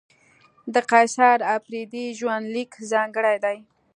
د قیصر اپریدي ژوند لیک ځانګړی دی.